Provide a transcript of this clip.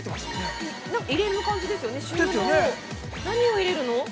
何を入れるの？